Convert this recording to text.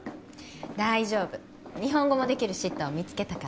大丈夫日本語もできるシッターを見つけたから